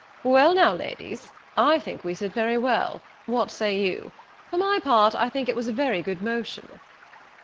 "Well, now, ladies, I think we sit very well. What say you? for my part I think it was a very good motion."